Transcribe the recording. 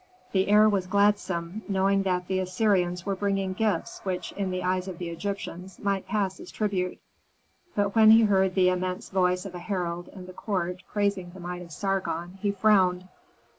The heir was gladsome, knowing that the Assyrians were bringing gifts which, in the eyes of Egyptians, might pass as tribute. But when he heard the immense voice of a herald in the court praising the might of Sargon, he frowned.